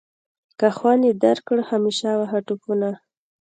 که خوند یې درکړ همیشه وهه ټوپونه.